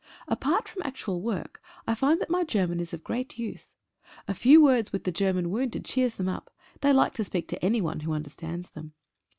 Apart from actual work, I find that my German is of great use. A few words with the German wounded cheers them up — they like to speak to anyone who understands them.